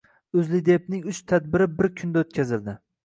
OʼzLiDePning uch tadbiri bir kunda o‘tkazildi